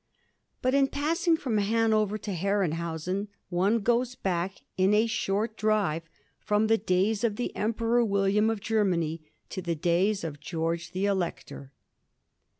But in passing from Hanover to Herrenhausen one goes back, in a short drive, from the days of the Emperor William of Germany to the days of George the Elector.